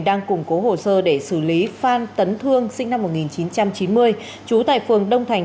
đang củng cố hồ sơ để xử lý phan tấn thương sinh năm một nghìn chín trăm chín mươi trú tại phường đông thành